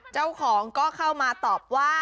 เจ้าของก็เข้ามาตอบว่า